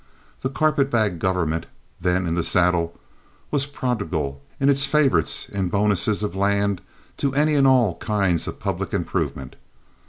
The carpet bag government, then in the saddle, was prodigal to its favorites in bonuses of land to any and all kinds of public improvement.